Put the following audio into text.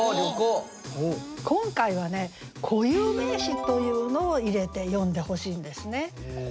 今回はね固有名詞というのを入れて詠んでほしいんですね。